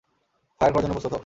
Fire করার জন্য প্রস্তুত হও।